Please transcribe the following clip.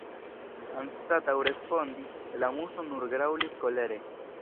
Anstataŭ respondi, la Muso nur graŭlis kolere.